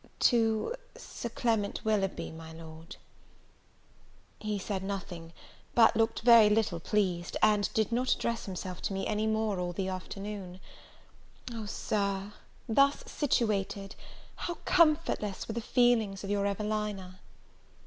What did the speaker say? "To Sir Clement Willoughby, my Lord." He said nothing, but looked very little pleased, and did not address himself to me any more all the afternoon. Oh, Sir! thus situated, how comfortless were the feelings of your Evelina!